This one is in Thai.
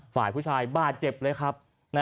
ฝ่ายผู้ชายบาดเจ็บเลยครับ